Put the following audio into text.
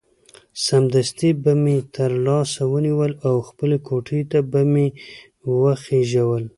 سمدستي به مې تر لاس ونیول او خپلې کوټې ته به مې وخېژول.